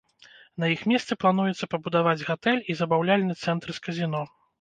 На іх месцы плануецца пабудаваць гатэль і забаўляльны цэнтр з казіно.